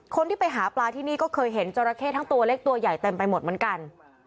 คนที่ไปหาปลาที่นี่ก็เคยเห็นจราเข้ทั้งตัวเล็กตัวใหญ่เต็มไปหมดเหมือนกัน